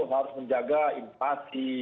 harus menjaga infasi